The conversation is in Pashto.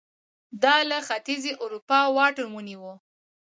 دا له ختیځې اروپا واټن ونیو